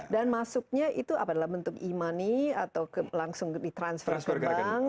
dan masuknya itu apa adalah bentuk e money atau langsung di transfer ke bank